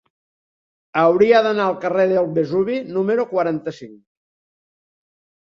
Hauria d'anar al carrer del Vesuvi número quaranta-cinc.